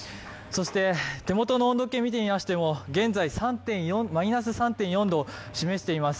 手元の温度計を見てみましても、現在マイナス３．４度を示しています。